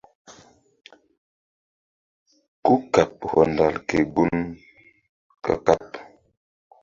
Kúkaɓ hɔndal ke gun ka-kaɓ.